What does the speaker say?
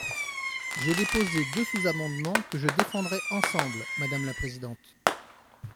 J’ai déposé deux sous-amendements que je défendrai ensemble, madame la présidente.